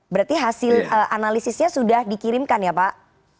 berarti hasil analisisnya sudah dikirimkan ya pak